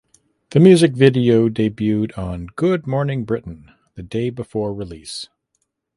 The music video debuted on "Good Morning Britain" the day before release.